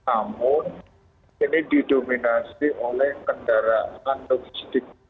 namun ini didominasi oleh kendaraan logistik